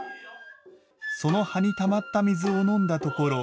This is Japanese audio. その葉にたまった水を飲んだところ